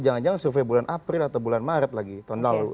jangan jangan survei bulan april atau bulan maret lagi tahun lalu